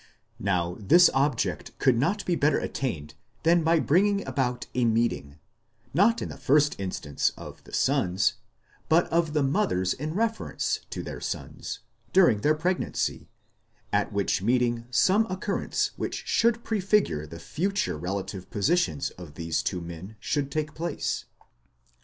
Now this object could not be better attained than by bringing about a meeting, not in the first instance of the sons, but of the mothers in reference to their sons, during their pregnancy, at which meeting some occurrence which should prefigure the future relative positions of these two men should take place.